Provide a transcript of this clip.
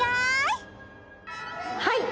はい。